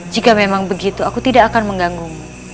jika memang begitu aku tidak akan mengganggu